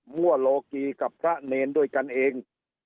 ั่วโลกีกับพระเนรด้วยกันเอง